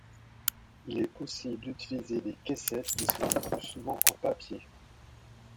Il est possible d’utiliser des caissettes qui sont le plus souvent en papier.